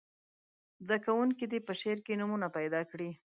زده کوونکي دې په شعر کې نومونه پیداکړي.